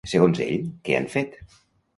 Segons ell, què han fet?